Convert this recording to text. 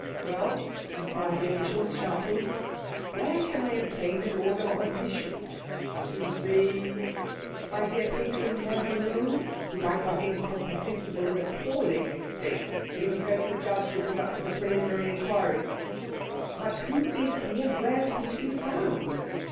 "Well?" inquired the official sharply. "Where can I obtain an order of admission?" "To see ?" "My dear patron, Herr von Lohm, who by some incomprehensible and appalling mistake " "You must go to the judge who conducted the preliminary inquiries." "But who is he, and where is he to be found?"